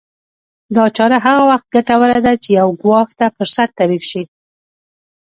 دا چاره هغه وخت ګټوره ده چې يو ګواښ ته فرصت تعريف شي.